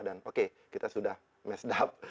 dan oke kita sudah messed up